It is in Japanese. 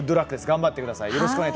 頑張ってください。